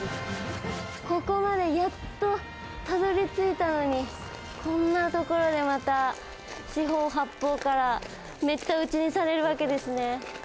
ここまでやっと、たどり着いたのにこんな所で、また、四方八方からめった打ちにされるわけですね。